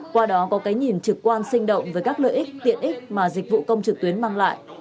qua đó có cái nhìn trực quan sinh động với các lợi ích tiện ích mà dịch vụ công trực tuyến mang lại